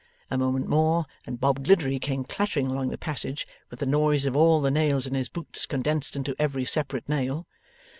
A moment more, and Bob Gliddery came clattering along the passage, with the noise of all the nails in his boots condensed into every separate nail.